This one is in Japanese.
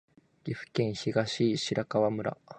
岐阜県東白川村